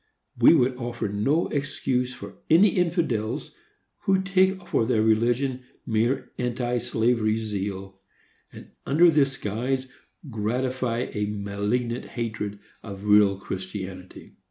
We would offer no excuse for any infidels who take for their religion mere anti slavery zeal, and, under this guise, gratify a malignant hatred of real Christianity.